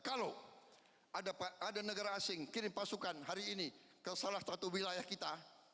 kalau ada negara asing kirim pasukan hari ini ke salah satu wilayah kita